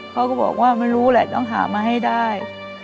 เขาก็บอกว่าไม่รู้แหละต้องหามาให้ได้